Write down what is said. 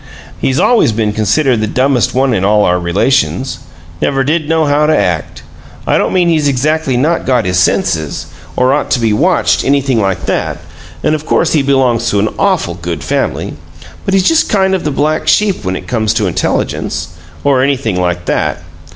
He's always been considered the dumbest one in all our relations never did know how to act. I don't mean he's exactly not got his senses, or ought to be watched, anything like that and of course he belongs to an awful good family but he's just kind of the black sheep when it comes to intelligence, or anything like that.